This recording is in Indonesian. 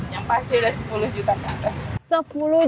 yang pasti ada sepuluh juta sampai